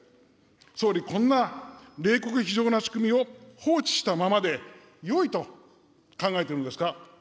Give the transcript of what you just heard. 総理、こんな冷酷非情な仕組みを放置したままでよいと考えているのですか。